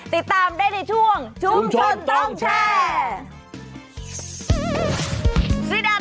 ติดตามได้ในช่วงชุมชนต้องแชร์